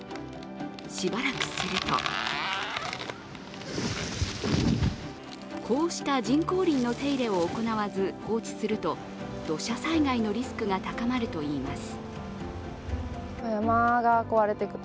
しばらくするとこうした人工林の手入れを行わず放置すると、土砂災害のリスクが高まるといいます。